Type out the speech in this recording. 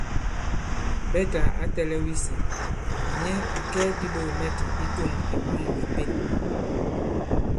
Bɛtà ǎ tɛ̄lɛ̄w isī nì nyɛ à kɛ diɓogìmɛtì i tûŋ ì mǎn wě Pên.